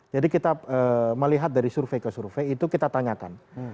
jadi kita melihat dari survei ke survei itu kita tanyakan